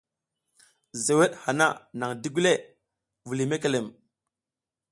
Zeweɗ hana naƞ digule, vuliy mekelem.